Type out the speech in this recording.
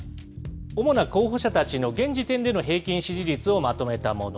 主な候補者たちの現時点での平均支持率をまとめたもの。